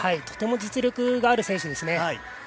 とても実力がある選手ですね。